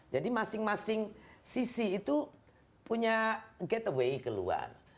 jadi masing masing sisi itu punya gateway ke luar